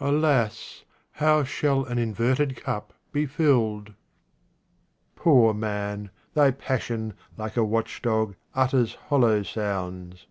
Alas ! how shall an inverted cup be filled ? POOR man, thy passion, like a watch dog, utters hollow sounds.